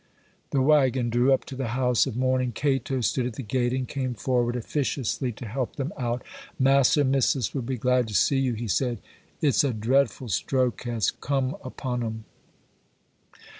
The waggon drew up to the house of mourning. Cato stood at the gate, and came forward, officiously, to help them out. 'Mass'r and Missis will be glad to see you,' he said. 'It's a drefful stroke has come upon 'em.